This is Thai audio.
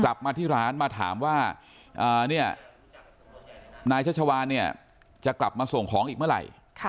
กลับมาที่ร้านมาถามว่าเนี่ยนายชัชวานเนี่ยจะกลับมาส่งของอีกเมื่อไหร่